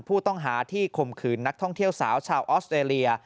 ผู้ต้องหาที่ข่มขืนนักท่องเที่ยวสาวชาวออสเตรเลีย